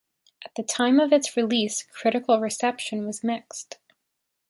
At the time of its release, critical reception was mixed.